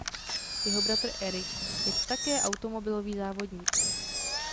Jeho bratr Erik je také automobilový závodník.